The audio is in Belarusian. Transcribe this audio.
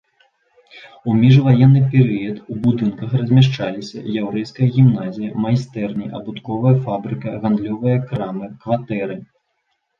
У міжваенны перыяд у будынках размяшчаліся яўрэйская гімназія, майстэрні, абутковая фабрыка, гандлёвыя крамы, кватэры.